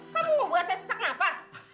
kamu mau buat saya sesak nafas